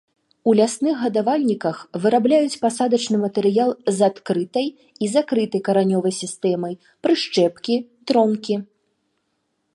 У лясных гадавальніках вырабляюць пасадачны матэрыял з адкрытай і закрытай каранёвай сістэмай, прышчэпкі, тронкі.